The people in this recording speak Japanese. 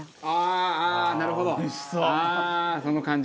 ああーなるほど。